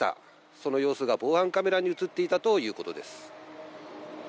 その様子が防犯カメラに写っていたということです。